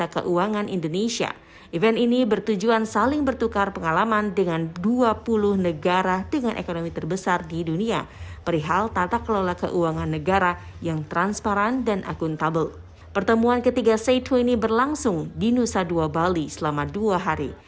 ketika c dua puluh berlangsung di nusa dua bali selama dua hari